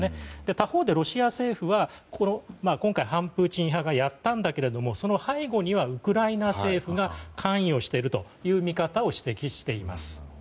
他方でロシア政府は、今回反プーチン派がやったんだけどその背後にはウクライナ政府が関与しているという見方を指摘しています。